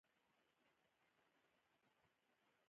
د نوې ټکنالوژی د معرفي کولو سرچینه ځوانان دي.